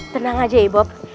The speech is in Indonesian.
tenang aja ibob